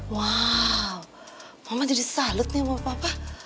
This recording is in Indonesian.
wow mama jadi salut nih mama papa